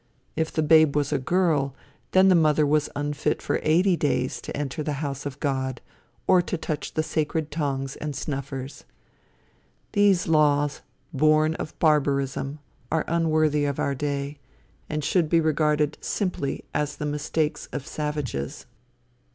If the babe was a girl, then the mother was unfit for eighty days, to enter the house of God, or to touch the sacred tongs and snuffers. These laws, born of barbarism, are unworthy of our day, and should be regarded simply as the mistakes of savages.